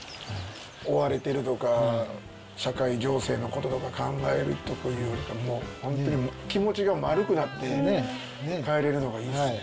追われてるとか社会情勢のこととか考えるとかいうよりかもう本当に気持ちが丸くなって帰れるのがいいですね。